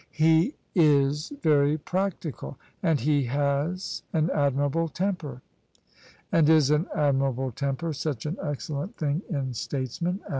" He is very practical ; and he has an admirable temper." " And is an admirable temper such an excellent thing in statesmen